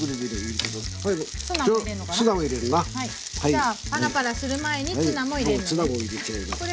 じゃパラパラする前にツナも入れるのね。